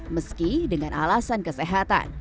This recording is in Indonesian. meski dengan alasan kesehatan